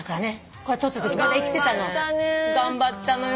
これ撮ったときまだ生きてたの。頑張ったのよ。